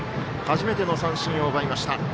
初めての三振を奪いました。